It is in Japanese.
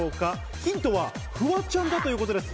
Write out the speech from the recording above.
ヒントはフワちゃんだということです。